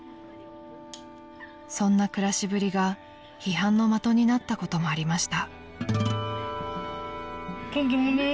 ［そんな暮らしぶりが批判の的になったこともありました］